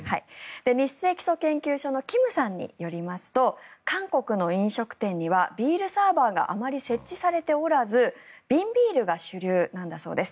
ニッセイ基礎研究所のキムさんによりますと韓国の飲食店にはビールサーバーがあまり設置されておらず瓶ビールが主流なんだそうです。